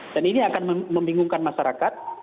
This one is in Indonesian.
dan ini akan membingungkan masyarakat